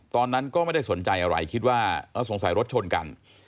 ตอนนั้นก็ไม่ได้สนใจอะไรคิดว่าสงสัยรถชนกัน